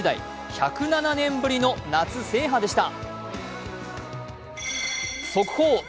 １０７年ぶりの夏制覇でした。